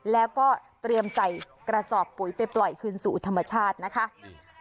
แล้วก็เตรียมใส่กระสอบปุ๋ยไปปล่อยคืนสู่ธรรมชาตินะคะอืม